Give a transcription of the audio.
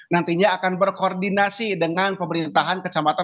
nantinya akan berkoordinasi dengan pemerintahan kecamatan